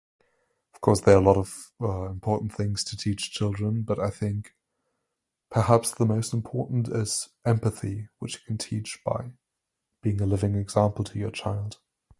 Of course there are a lot of, uh, important things to teach children, but I think perhaps the most important is empathy, which you can teach by being a living example to your child.